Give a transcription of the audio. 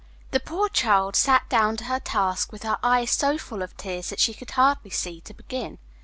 The poor child sat down to her task with her eyes so full of tears that she could hardly see to begin.